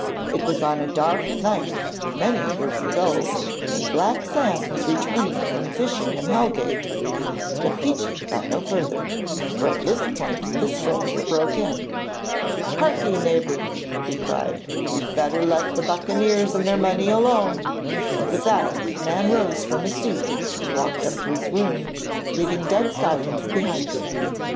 It was on a dark night many years ago, when Black Sam was returning from fishing in Hellgate ' but Peechy got no further, for at this point the stranger broke in: 'Hark'ee, neighbour,' he cried; 'you'd better let the buccaneers and their money alone,' and with that the man rose from his seat and walked up to his room, leaving dead silence behind him.